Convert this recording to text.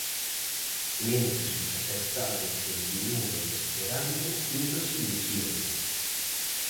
Mentres os afectados continúan esperando unha solución.